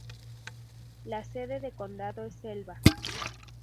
La sede de condado es Elba.